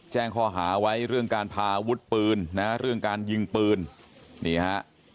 แจ้งข้อหาไว้เรื่องการพาอาวุธปืนนะเรื่องการยิงปืนนี่ฮะ